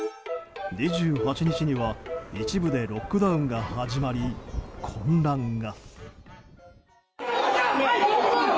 ２８日には一部でロックダウンが始まり、混乱が。